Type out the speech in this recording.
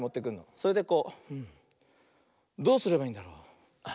それでこう「どうすればいいんだろう？」。